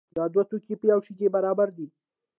دا دوه توکي په یو شي کې برابر دي.